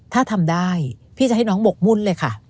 ถ้าทำได้พี่จะให้น้องหมกมุ่นเลยค่ะ